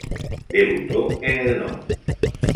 Debutó en el No.